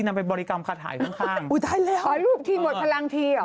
แต่เราจะไม่รู้เนอะ